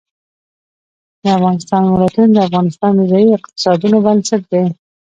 د افغانستان ولايتونه د افغانستان د ځایي اقتصادونو بنسټ دی.